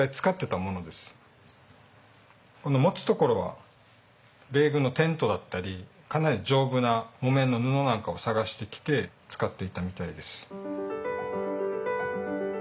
この持つところは米軍のテントだったりかなり丈夫な木綿の布なんかを探してきて使っていたみたいです。